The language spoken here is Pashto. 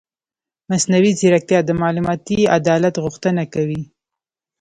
مصنوعي ځیرکتیا د معلوماتي عدالت غوښتنه کوي.